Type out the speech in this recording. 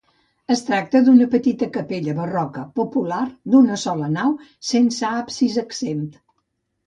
Es tracta d'una petita capella barroca popular d'una sola nau, sense absis exempt.